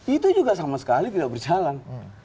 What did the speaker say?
itu juga sama sekali tidak berjalan